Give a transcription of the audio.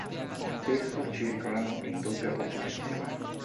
Spesso circolano in doppia composizione.